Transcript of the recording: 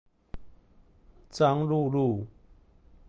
彰鹿路